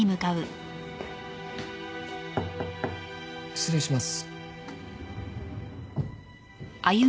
失礼します。